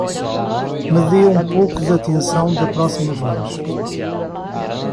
Me dê um pouco de atenção da próxima vez!